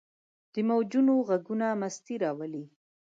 د موجونو ږغونه مستي راولي.